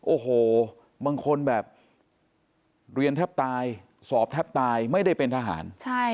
โอ้โหบางคนแบบเรียนแทบตายสอบแทบตายไม่ได้เป็นทหาร